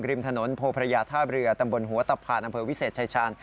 ริมถนนโพพระยาท่าเรือตำบลหัวตะผ่านอำเภอวิเศษชายชาญ